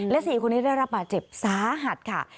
และ๔คนนี้ได้รับบาดเจ็บสาหัสค่ะ